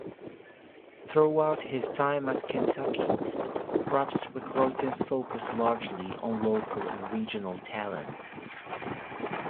Throughout his time at Kentucky, Rupp's recruiting focused largely on local and regional talent.